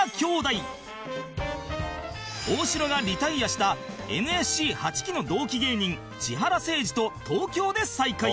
大城がリタイアした ＮＳＣ８ 期の同期芸人千原せいじと東京で再会